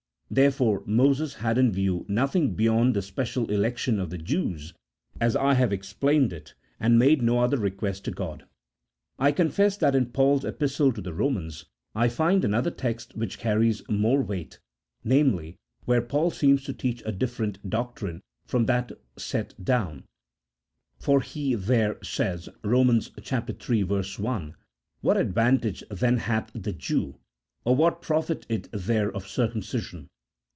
Therefore Moses had in view nothing beyond the special election of the Jews, as I have CHAP. III.] OF THE VOCATION OF THE HEBREWS. 53 explained it, and made no other request to God. I confess tliat in Paul's Epistle to the Eomans, I find another text which carries more weight, namely, where Paul seems to teach a different doctrine from that here set down, for he there says (Eom. iii. 1) :" What advantage then hath the Jew ? or what profit is there of circumcision